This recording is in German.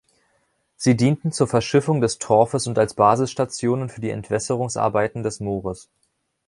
Sie dienten zur Verschiffung des Torfes und als Basisstationen für die Entwässerungsarbeiten des Moores.